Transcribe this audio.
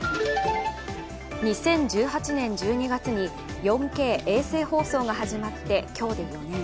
２０１８年１２月に４Ｋ衛星放送が始まって今日で４年。